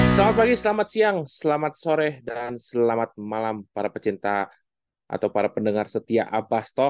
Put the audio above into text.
selamat pagi selamat siang selamat sore dan selamat malam para pecinta atau para pendengar setia abah stok